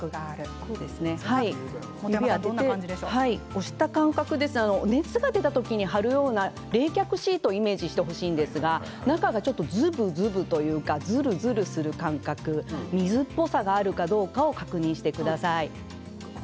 押した感覚は熱が出た時に貼るような冷却シートをイメージしてほしいんですが、中がちょっとズブズブというかズルズルする感覚水っぽさがあるかどうかを確認してください。